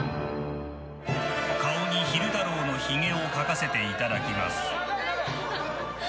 顔に昼太郎のひげを描かせていただきます。